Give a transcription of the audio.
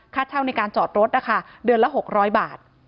ค่าเช่าในการจอดรถนะคะเดือนละ๖๐๐บาท